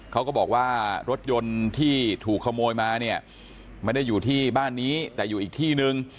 เขาก็บอกว่ารถยนต์ที่ถูกขโมยมาเนี่ยไม่ได้อยู่ที่บ้านนี้แต่อยู่อีกที่นึง